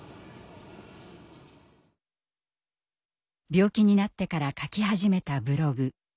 病気になってから書き始めたブログ。